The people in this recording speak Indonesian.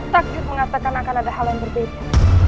takjub mengatakan akan ada hal yang berbeda